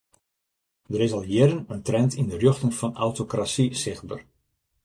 Der is al jierren in trend yn de rjochting fan autokrasy sichtber.